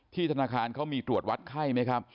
ธนาคารเขามีตรวจวัดไข้ไหมครับ